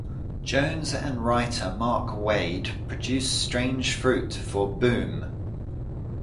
Jones and writer Mark Waid produced "Strange Fruit" for Boom!